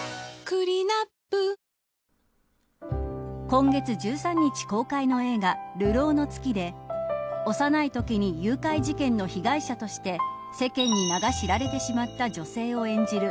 今月１３日公開の映画流浪の月で幼いときに誘拐事件の被害者として世間に名が知られてしまった女性を演じる